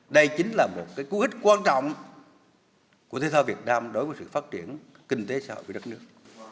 đây chính là một cú ích quan trọng của thể thao việt nam đối với sự phát triển kinh tế xã hội của đất nước